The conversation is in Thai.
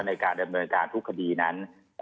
ในการดำเนินการทุกคดีนั้น